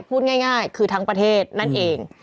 พูดง่ายคือทั้งประเทศนั่นเอง